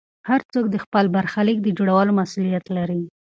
هر څوک د خپل برخلیک د جوړولو مسوولیت لري.